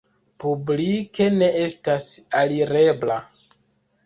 Publike ne estas alirebla.